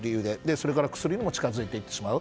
それから薬にも近づいて行ってしまう。